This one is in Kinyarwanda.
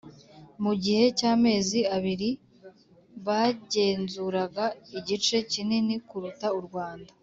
mu gihe cy‘amezi abiri bagenzuraga igice kinini kuruta u Rwanda